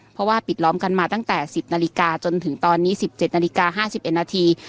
เพราะว่าปิดล้อมกันมาตั้งแต่๑๐นาฬิกาจนถึงตอนนี้๑๗นาฬิกา๕๑นาที